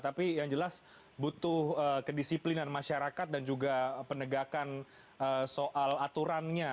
tapi yang jelas butuh kedisiplinan masyarakat dan juga penegakan soal aturannya